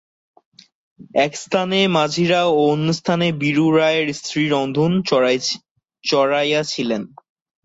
একস্থানে মাঝিরা ও অন্যস্থানে বীরু রায়ের স্ত্রী রন্ধন চড়াইয়াছিলেন।